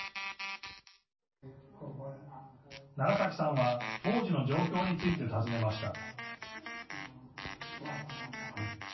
楢崎さんは当時の状況について尋ねました。